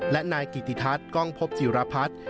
และนายกิติทัศน์กล้องพบจิรพัฒน์